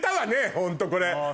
ホントこれ。